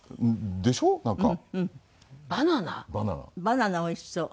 バナナおいしそう。